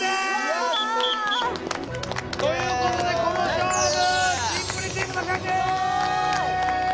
うわ！ということでこの勝負キンプリチームの勝ち！